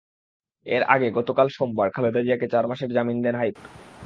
এর আগে গতকাল সোমবার খালেদা জিয়াকে চার মাসের জামিন দেন হাইকোর্ট।